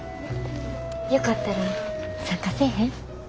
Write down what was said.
よかったら参加せえへん？